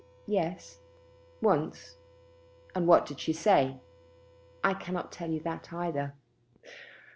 "Yes, once." "And what did she say?" "I cannot tell you that either."